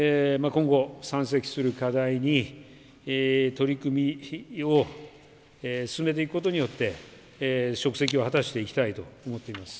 今後、山積する課題に取り組みを進めていくことによって、職責を果たしていきたいと思っています。